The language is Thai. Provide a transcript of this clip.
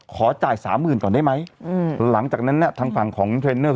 ขอจ่ายสามหมื่นก่อนได้ไหมอืมหลังจากนั้นเนี่ยทางฝั่งของเทรนเนอร์